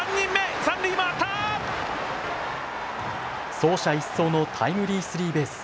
走者一掃のタイムリースリーベース。